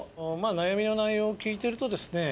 悩みの内容を聞いてるとですね